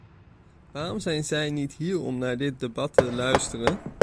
Waarom zijn zij niet hier om naar dit debat te luisteren?